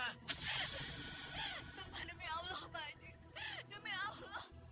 sumpah demi allah pak haji demi allah